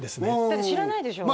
だって知らないでしょうね